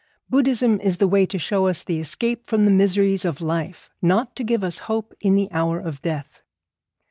Buddhism is the way to show us the escape from the miseries of life, not to give us hope in the hour of death.